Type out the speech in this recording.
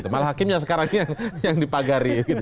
malah hakimnya sekarang yang dipagari